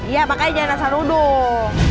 iya makanya jangan rasa nuduh